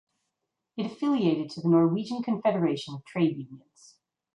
It affiliated to the Norwegian Confederation of Trade Unions.